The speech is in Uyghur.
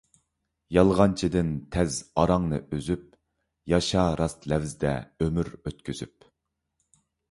يالغانچىدىن تەز ئاراڭنى ئۈزۈپ، ياشا راست لەۋزدە ئۆمۈر ئۆتكۈزۈپ.